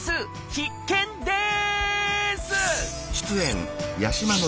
必見です！